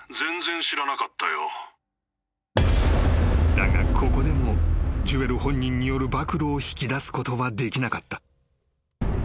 ［だがここでもジュエル本人による暴露を引き出すことはできなかった］